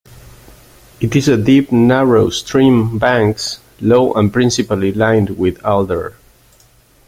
It is a deep narrow Stream banks low and principally lined with Alder.